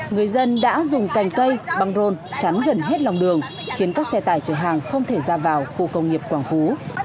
người dân đã dùng cành cây băng rôn chắn gần hết lòng đường khiến các xe tải chở hàng không thể ra vào khu công nghiệp quảng phú